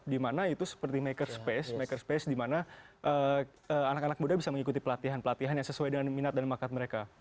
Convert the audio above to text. di mana itu seperti makerspace makerspace di mana anak anak muda bisa mengikuti pelatihan pelatihan yang sesuai dengan minat dan makat mereka